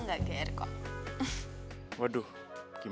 apa sih kak